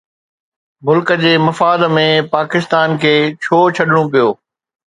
ملڪ جي مفاد ۾ پاڪستان کي ڇو ڇڏڻو پيو؟